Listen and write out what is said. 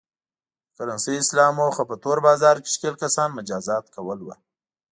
د کرنسۍ اصلاح موخه په تور بازار کې ښکېل کسان مجازات کول و.